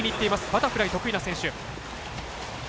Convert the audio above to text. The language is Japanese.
バタフライ得意な選手。